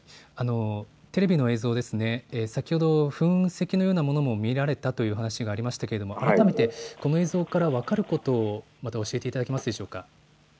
テレビの映像、先ほど噴石のようなものも見られたという話がありましたが改めてこの映像から分かること、教えていただけますでしょうか。